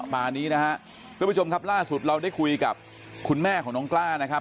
มานี้นะครับทุกผู้ชมครับล่าสุดเราได้คุยกับคุณแม่ของน้องกล้านะครับ